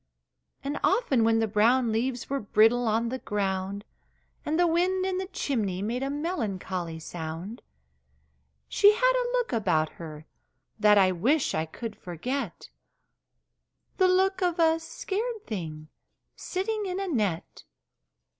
And often when the brown leaves Were brittle on the ground, And the wind in the chimney Made a melancholy sound, She had a look about her That I wish I could forget The look of a scared thing Sitting in a net!